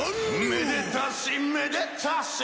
「めでたしめでたし！」